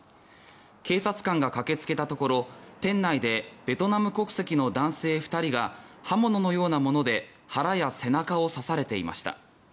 警察官が駆け付けたところ店内でベトナム国籍の男性２人が刃物のようなもので腹や背中を刺されていました。